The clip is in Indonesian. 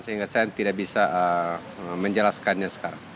sehingga saya tidak bisa menjelaskannya sekarang